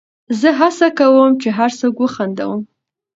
زه هڅه کوم، چي هر څوک وخندوم.